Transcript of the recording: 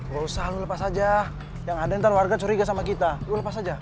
gak usah lo lepas aja yang ada ntar warga curiga sama kita lu lepas aja